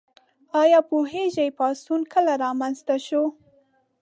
ایا پوهیږئ پاڅون کله رامنځته شو؟